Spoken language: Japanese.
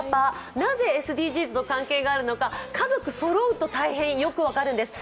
なぜＳＤＧｓと関係があるのか、家族そろうと大変よく分かるんです。